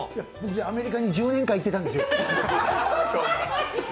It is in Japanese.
アメリカに１０年間行ってたんですよ。